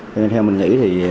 thế nên theo mình nghĩ thì